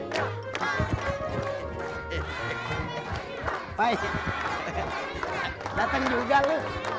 dateng juga lo